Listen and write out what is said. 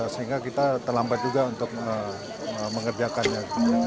sehingga kita terlambat juga untuk mengerjakannya